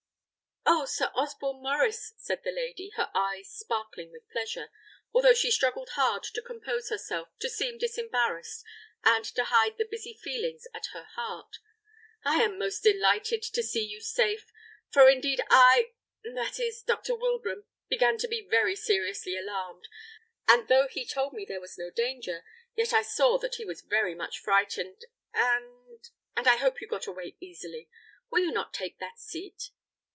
"Oh, Sir Osborne Maurice!" said the lady, her eyes sparkling with pleasure, although she struggled hard to compose herself, to seem disembarrassed, and to hide the busy feelings at her heart; "I am most delighted to see you safe; for indeed I that is, Dr. Wilbraham began to be very seriously alarmed; and though he told me there was no danger, yet I saw that he was very much frightened, and and I hope you got away easily. Will you not take that seat?"